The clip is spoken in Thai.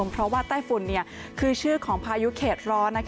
เพราะว่าใต้ฝุ่นคือชื่อของพายุเขตร้อน